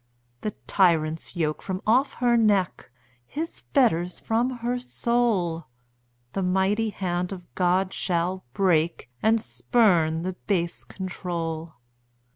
The tyrant's yoke from off her neck, His fetters from her soul, The mighty hand of God shall break, And spurn the base control.